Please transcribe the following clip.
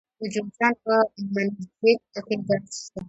د جوزجان په منګجیک کې ګاز شته.